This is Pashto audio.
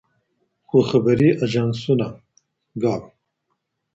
خو خبري آژانسونه ګ